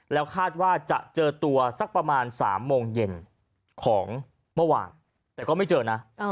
แล้วคาดว่าจะเจอตัวสักประมาณ๓โมงเย็นของเมื่อวานแต่ก็ไม่เจอนะ